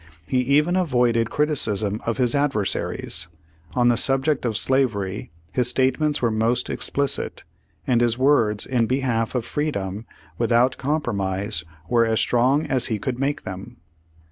He even avoided criticism of his adversaries. On the sub ject of slavery his statements were most explicit,, and his words in behalf of freedom without com promise, were as strong as he could make them.